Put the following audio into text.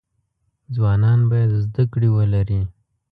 ځوانان باید زده کړی ولری